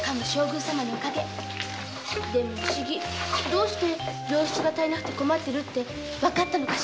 どうして病室が足りなくて困ってるって分かったのか